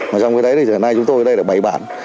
mà trong cái đấy thì giờ này chúng tôi ở đây là bảy bản